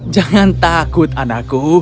jangan takut anakku